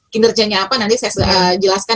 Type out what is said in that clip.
kinerjanya apa nanti saya jelaskan